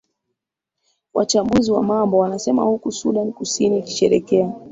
wachambuzi wa mambo wanasema huku sudan kusini ikisherekea